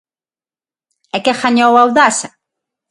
¿E que gañou Audasa?